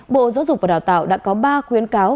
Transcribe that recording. bộ giáo dục và đào tạo đã có ba khuyến cáo